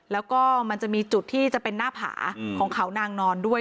แล้วก็มันจะมีจุดที่จะเป็นหน้าผาของเขานางนอนด้วย